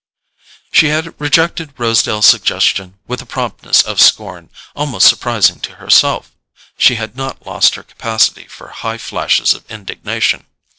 She had rejected Rosedale's suggestion with a promptness of scorn almost surprising to herself: she had not lost her capacity for high flashes of indignation.